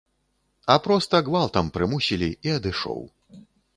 А проста, гвалтам прымусілі, і адышоў.